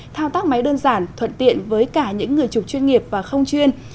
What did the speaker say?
thao tác máy đơn giản thuận tiện với cả những người chụp chuyên nghiệp và không chuyên